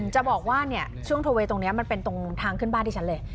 จะบอกว่าช่วงโทเวย์ตรงนี้มันเป็นตรงทางขึ้นบ้านที่ฉันเลย